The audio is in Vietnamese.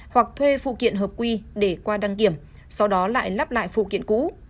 hoặc thuê phụ kiện hợp quy để qua đăng kiểm sau đó lại lắp lại phụ kiện cũ